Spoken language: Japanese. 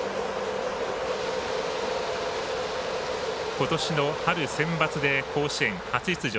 ことしの春センバツで甲子園初出場。